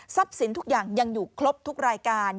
สินทุกอย่างยังอยู่ครบทุกรายการ